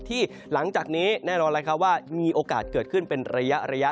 หลังจากนี้แน่นอนว่ามีโอกาสเกิดขึ้นเป็นระยะ